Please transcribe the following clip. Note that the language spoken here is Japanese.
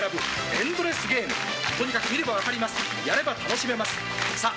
エンドレスゲームとにかく見れば分かりますやれば楽しめますさあ